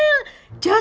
bn ini status ya